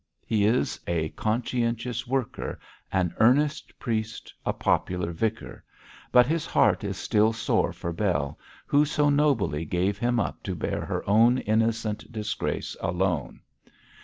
He is a conscientious worker, an earnest priest, a popular vicar, but his heart is still sore for Bell, who so nobly gave him up to bear her own innocent disgrace alone.